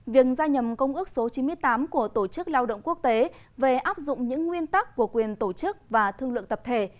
việc ra nhầm công ước số chín mươi tám của tổ chức lao động quốc tế về áp dụng những nguyên tắc của quyền tổ chức và thương lượng tập thể